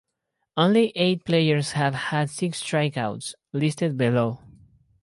Only eight players have had six strikeouts, listed below.